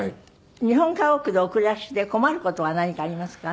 日本家屋でお暮らしで困る事は何かありますか？